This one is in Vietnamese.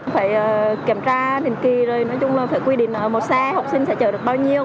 phải kiểm tra định kỳ rồi nói chung là phải quy định một xe học sinh sẽ chở được bao nhiêu